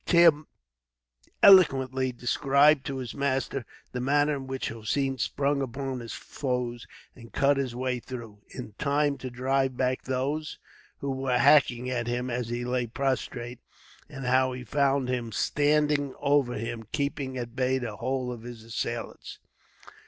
Tim eloquently described to his master the manner in which Hossein sprung upon his foes, and cut his way through, in time to drive back those who were hacking at him as he lay prostrate; and how he found him standing over him, keeping at bay the whole of his assailants.